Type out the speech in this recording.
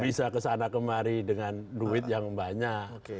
bisa kesana kemari dengan duit yang banyak